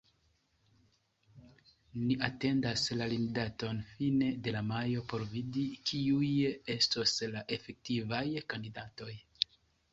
Ni atendas la limdaton fine de majo por vidi, kiuj estos la efektivaj kandidatoj.